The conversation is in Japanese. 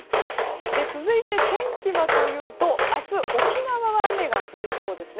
続いて、天気はというと明日、沖縄は雨が降りそうです。